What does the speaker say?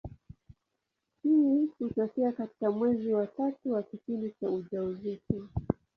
Hii hutokea katika mwezi wa tatu wa kipindi cha ujauzito.